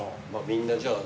みんなじゃあ。